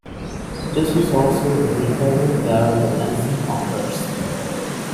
This is also the interval where the lensing occurs.